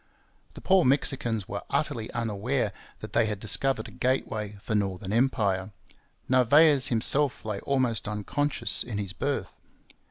The poor Mexicans were utterly unaware that they had discovered a gateway for northern empire. Narvaez himself lay almost unconscious in his berth.